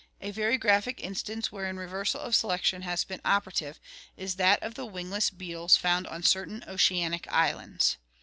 A very graphic instance wherein reversal of selection has been operative is that of the wing less beetles found on certain oceanic islands.